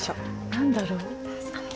何だろう。